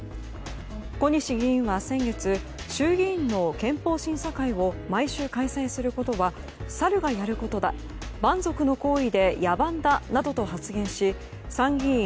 小西議員は先月衆議院の憲法審査会を毎週開催することはサルがやることだ蛮族の行為で野蛮だなどと発言し参議院